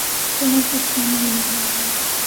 তোমার কিচ্ছু হবে না।